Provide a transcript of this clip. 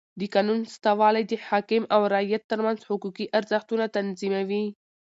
د قانون سته والى د حاکم او رعیت ترمنځ حقوقي ارزښتونه تنظیموي.